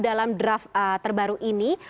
dalam draft terbaru ini